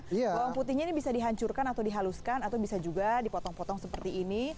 bawang putihnya ini bisa dihancurkan atau dihaluskan atau bisa juga dipotong potong seperti ini